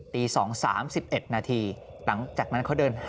ตี๒๓๑นาทีหลังจากนั้นเขาเดิน